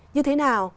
như thế nào